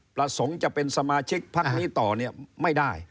ประสงค์จะเป็นสมาชิกพักนี้ต่อเนี่ยไม่ได้